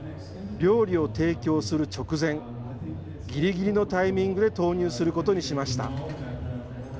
料理を提供する直前、ぎりぎりのタイミングで投入することにしました。